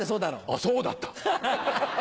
あっそうだった！